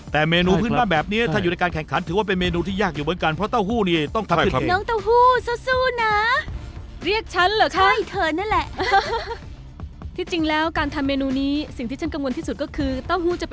แต่เมนูพื้นบ้านแบบนี้ถ้าอยู่ในการแข่งขันถือว่าเป็นเมนูที่ยากอยู่เหมือนกันเพราะเต้าหู้นี่ต้องทำขึ้นมา